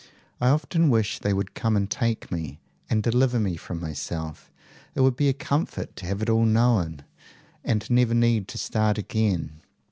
I often wish they would come and take me, and deliver me from myself. It would be a comfort to have it all known, and never need to start again.